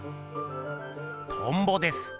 トンボです。